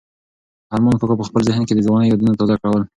ارمان کاکا په خپل ذهن کې د ځوانۍ یادونه تازه کوله.